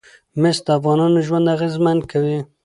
مس د افغانانو ژوند اغېزمن کوي.